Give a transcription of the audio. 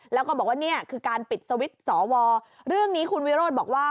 แล้วก็บอกว่าเนี่ยคือการปิดสวิตช์สอวอเรื่องนี้คุณวิโรธบอกว่า